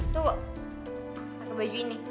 tunggu pake baju ini